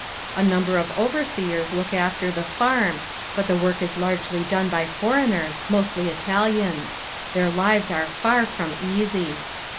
A number of overseers look after the farm but the work is largely done by foreigners, mostly Italians. Their lives are far from easy.